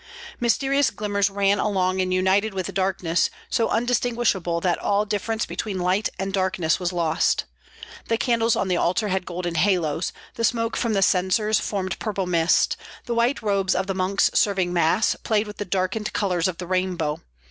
Mysterious glimmers ran along and united with darkness, so undistinguishable that all difference between light and darkness was lost. The candles on the altar had golden halos; the smoke from the censers formed purple mist; the white robes of the monks serving Mass played with the darkened colors of the rainbow.